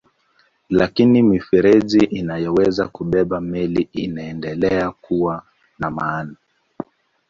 Lakini mifereji inayoweza kubeba meli inaendelea kuwa na maana.